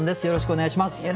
よろしくお願いします。